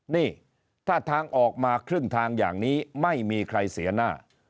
นี่ถ้าทางออกมาครึ่งทางอย่างนี้ไม่มีใครเสียหน้า